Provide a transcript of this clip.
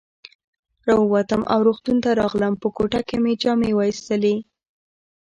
را ووتم او روغتون ته راغلم، په کوټه کې مې جامې وایستلې.